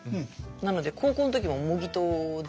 なので高校の時も模擬刀で。